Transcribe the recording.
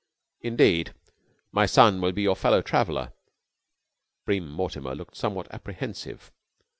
"Indeed? My son will be your fellow traveller." Bream Mortimer looked somewhat apprehensive.